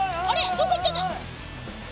どっか行っちゃった。